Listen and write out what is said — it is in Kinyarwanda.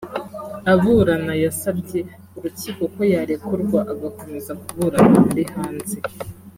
Aburana yasabye urukiko ko yarekurwa agakomeza kuburana ari hanze